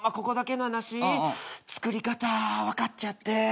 ここだけの話作り方分かっちゃって。